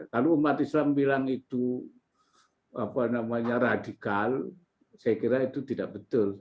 kalau umat islam bilang itu radikal saya kira itu tidak betul